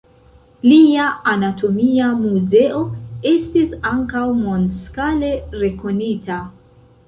Lia anatomia muzeo estis ankaŭ mondskale rekonita.